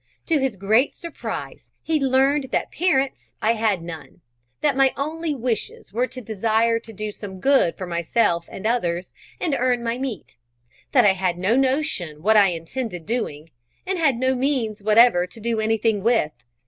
To his great surprise he learnt that parents I had none; that my only wishes were the desire to do some good for myself and others, and earn my meat; that I had no notion what I intended doing, and had no means whatever to do anything with.